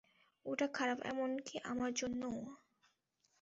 ওটা খারাপ, এমনকি আমার জন্যও।